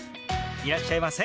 いらっしゃいませ。